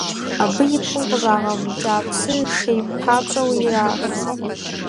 Абы и пкъым къыщӏагъэвыкӏа псыр шей папщӏэуи ираф.